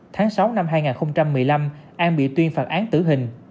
tháng sáu năm hai nghìn một mươi năm an bị tuyên phạt án tử hình